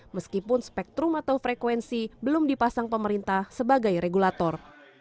meskipun spektrum atau frekuensi belum dipasang pemerintah sebagai regulator